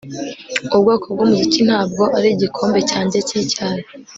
Ubu bwoko bwumuziki ntabwo ari igikombe cyanjye cyicyayi